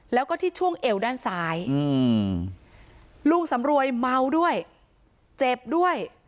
แล้วก็ที่ช่วงเอวด้านซ้ายลุงสำรวยเมาด้วยเจ็บด้วย